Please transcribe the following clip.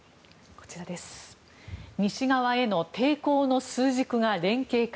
西側への抵抗の枢軸が連携か。